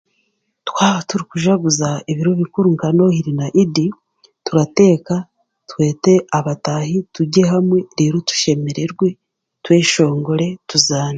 Twabaturikujaguza ebiro bikuro nka nohire na idi turateeka twete abataahi turye hamwe reero tweshongore tushemererwe tuzaane